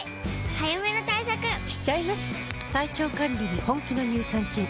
早めの対策しちゃいます。